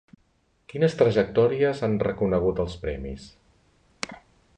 Quines trajectòries han reconegut els premis?